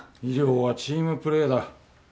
医療はチームプレーだ。